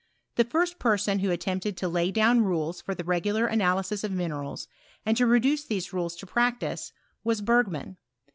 The first person who attempted to lay down rules for the regular analysis of minerals, and to reduce these rules to practice, was Bergman.